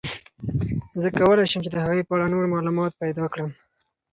زه کولای شم چې د هغې په اړه نور معلومات پیدا کړم.